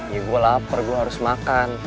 ya gue lapar gue harus makan